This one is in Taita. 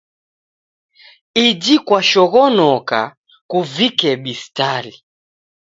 Iji kwashoghonoka, kuvike bistali.